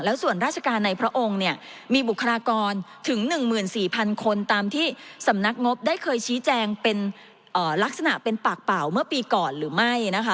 ส่วนราชการในพระองค์เนี่ยมีบุคลากรถึง๑๔๐๐คนตามที่สำนักงบได้เคยชี้แจงเป็นลักษณะเป็นปากเปล่าเมื่อปีก่อนหรือไม่นะคะ